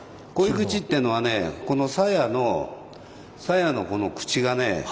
鯉口っていうのはねこの鞘の鞘のこの口がね